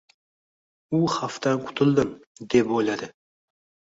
U xavfdan qutuldim, deb o’yladi.